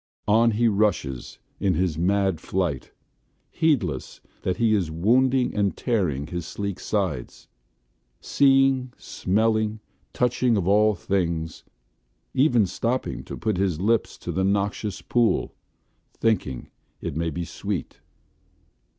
On he rushes, in his mad flight, heedless that he is wounding and tearing his sleek sides – seeing, smelling, touching of all things; even stopping to put his lips to the noxious pool, thinking it may be sweet.